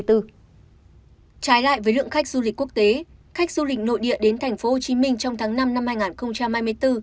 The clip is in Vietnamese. trái lại với lượng khách du lịch quốc tế khách du lịch nội địa đến tp hcm trong tháng năm năm hai nghìn hai mươi bốn